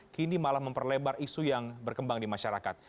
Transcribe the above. kini malah memperlebar isu yang berkembang di masyarakat